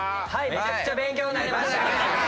めちゃくちゃ勉強になりました！